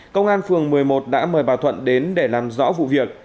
công an phường một mươi một đã mời bà thuận đến để làm rõ vụ việc